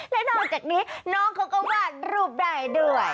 และนอกจากนี้น้องเขาก็วาดรูปได้ด้วย